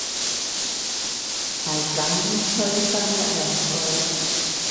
係咁依吹返一兩句